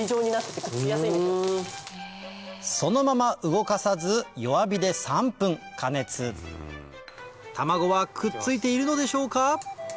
そのまま動かさず弱火で３分加熱卵はくっついているのでしょうか？